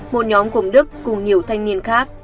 một nhóm gồm đức cùng nhiều thanh niên khác